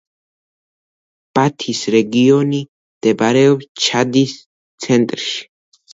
ბათის რეგიონი მდებარეობს ჩადის ცენტრში.